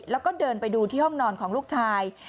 แล้วก็เดินไปดูที่ห้องนอนของลูกชาย